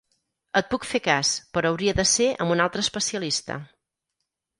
Et puc fer cas, però hauria de ser amb un altre especialista.